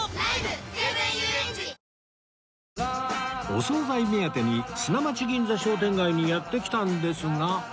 お総菜目当てに砂町銀座商店街にやって来たんですが